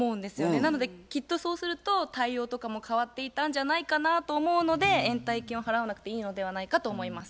なのできっとそうすると対応とかも変わっていたんじゃないかなと思うので延滞金を払わなくていいのではないかと思います。